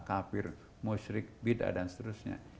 kafir musyrik bid'ah dan seterusnya